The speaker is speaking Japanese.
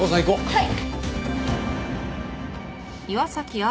はい。